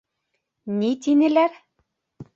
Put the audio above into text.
Ни тинеләр?